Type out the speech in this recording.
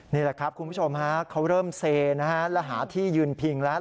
นี่แหละครับคุณผู้ชมฮะเขาเริ่มเซนะฮะและหาที่ยืนพิงแล้ว